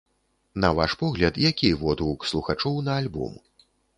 На ваш погляд, які водгук слухачоў на альбом?